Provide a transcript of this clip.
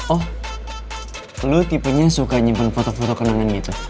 oh lu tipenya suka nyimpan foto foto kenangan gitu